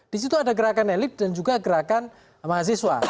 di situ ada gerakan elit dan juga gerakan mahasiswa